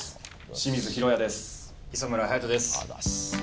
清水尋也です。